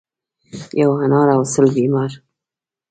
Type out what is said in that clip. ـ یو انار او سل بیمار.